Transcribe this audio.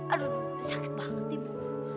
aduh sakit banget ini